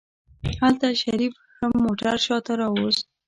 هلته شريف هم موټر شاته راوست.